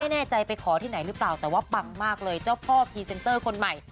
แน่ใจไปขอที่ไหนหรือเปล่าแต่ว่าปังมากเลยเจ้าพ่อพรีเซนเตอร์คนใหม่